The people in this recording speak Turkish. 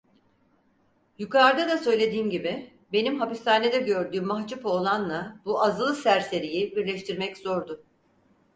Yukarda da söylediğim gibi, benim hapishanede gördüğüm mahçup oğlanla bu azılı serseriyi birleştirmek zordu.